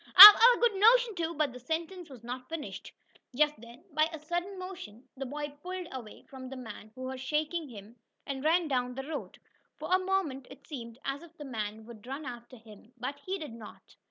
"I I've a good notion to " But the sentence was not finished. Just then, by a sudden motion, the boy pulled away from the man who was shaking him, and ran down the road. For a moment it seemed as if the man would run after him, but he did not.